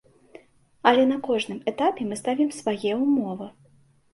Але на кожным этапе мы ставім свае ўмовы.